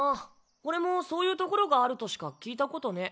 俺もそういう所があるとしか聞いたことねぇ。